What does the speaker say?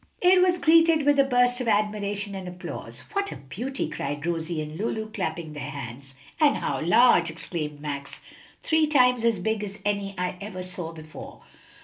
It was greeted with a burst of admiration and applause. "What a beauty!" cried Rosie and Lulu, clapping their hands. "And how large!" exclaimed Max, "three times as big as any I ever saw before."